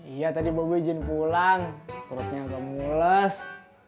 iya tadi bau gue izin pulang perutnya agak mulus